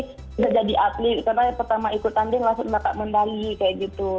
jadi bisa jadi atlet karena pertama ikut tanding langsung dapat mendali kayak gitu